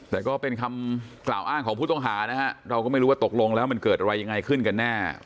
แต่ก็เป็นคำกล่าวอ้างของผู้ต้องหานะฮะเราก็ไม่รู้ว่าตกลงแล้วมันเกิดอะไรยังไงขึ้นกันแน่